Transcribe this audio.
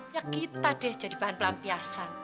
ya kita deh jadi bahan pelampiasan